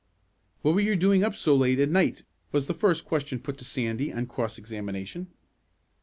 "What were you doing up so late at night?" was the first question put to Sandy on cross examination.